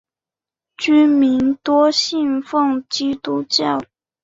居民多信奉基督教。